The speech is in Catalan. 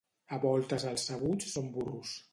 A voltes els sabuts són burros.